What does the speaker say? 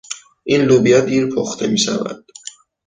این لوبیا دیر پخته میشود.